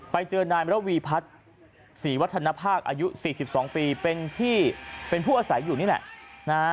ไปเจอนายมรวีพัฒน์ศรีวัฒนภาคอายุ๔๒ปีเป็นที่เป็นผู้อาศัยอยู่นี่แหละนะฮะ